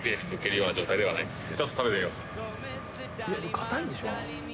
硬いんでしょ。